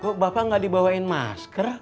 kok bapak nggak dibawain masker